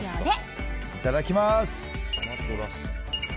いただきます。